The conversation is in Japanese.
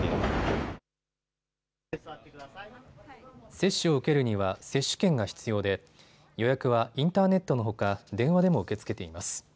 接種を受けるには接種券が必要で予約はインターネットのほか電話でも受け付けています。